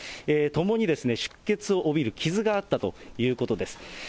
ともに出血を帯びる傷があったということです。